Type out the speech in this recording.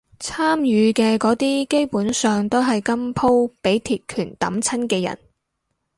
參與嘅嗰啲基本上都係今鋪畀鐵拳揼親嘅人